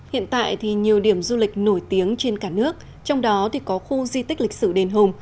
hiện tại thì nhiều điểm du lịch nổi tiếng trên cả nước trong đó thì có khu di tích lịch sử đền hùng